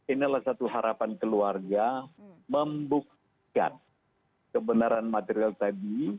inilah satu harapan keluarga membuktikan kebenaran material tadi